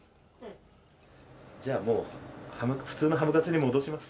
じゃあもう普通のハムカツに戻します。